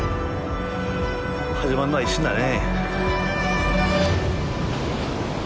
始まるのは一瞬だね。